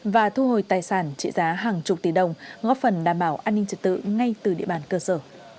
và thu hồi tài sản trị giá hàng chục tỷ đồng góp phần đảm bảo an ninh trật tự ngay từ địa bàn cơ sở